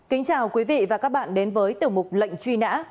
kính chào quý vị và các bạn đến với tiểu mục lệnh truy nã